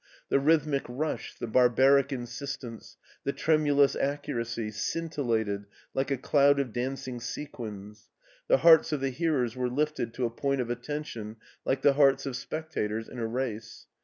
The rhythmic rush, the barbaric insistence, the tremulous accuracy, scintillated like a cloud of dancing sequins. The hearts of the hearers were lifted to a point of atten tion like the hearts of spectators in a race.